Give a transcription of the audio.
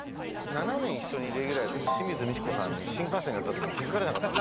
７年一緒にレギュラーやってる清水ミチコさんに新幹線で会った時に気付かれなかった。